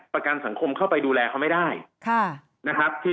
ทางประกันสังคมก็จะสามารถเข้าไปช่วยจ่ายเงินสมทบให้๖๒